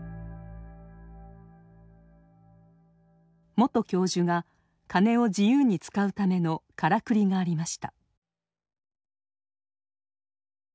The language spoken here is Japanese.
元教授がカネを自由に使うための「からくり」がありました。